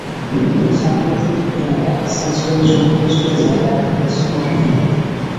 সামনের দিকের ক্যামেরা, সেন্সরের জন্য কিছুটা জায়গা রাখা হচ্ছে নতুন ফোনে।